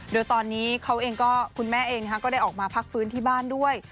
โดยตอนนี้เขาเองก็คุณแม่เองก็ได้ออกมาพักฟื้นที่บ้านด้วย